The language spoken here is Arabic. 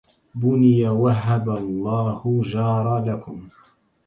بني وهب الله جار لكم